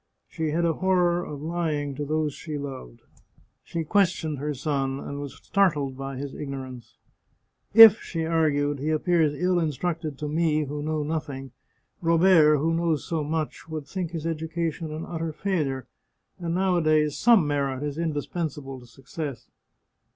She had a horror of lying to those she loved ; she questioned her son, and was startled by his ignorance, " If," she argued, " he appears ill instructed to me, who know nothing, Robert, who knows so much, would think his education an utter failure; and nowadays some merit is indispensable to success